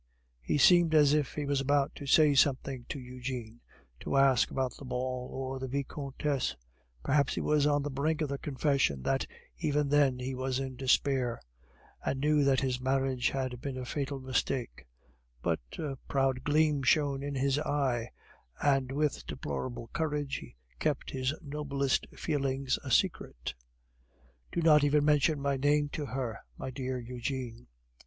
He seemed as if he was about to say something to Eugene, to ask about the ball, or the Vicomtesse; perhaps he was on the brink of the confession that, even then, he was in despair, and knew that his marriage had been a fatal mistake; but a proud gleam shone in his eyes, and with deplorable courage he kept his noblest feelings a secret. "Do not even mention my name to her, my dear Eugene."